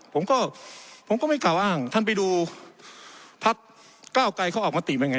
ผมก็ผมก็ไม่กล่าวอ้างท่านไปดูพักเก้าไกรเขาออกมาติมาไง